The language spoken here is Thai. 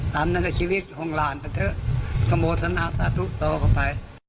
ตามนักชีวิตของหลานไปเถอะ